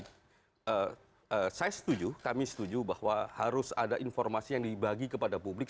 saya setuju kami setuju bahwa harus ada informasi yang dibagi kepada publik